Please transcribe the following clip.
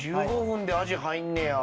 １５分で味入んねや。